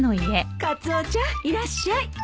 カツオちゃんいらっしゃい。